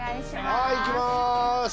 はい行きます。